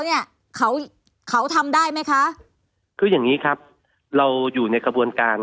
เนี้ยเขาเขาทำได้ไหมคะคืออย่างงี้ครับเราอยู่ในกระบวนการ